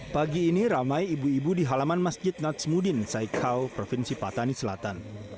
pagi ini ramai ibu ibu di halaman masjid natsmudin saikao provinsi patani selatan